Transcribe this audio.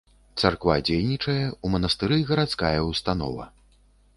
Царква дзейнічае, у манастыры гарадская ўстанова.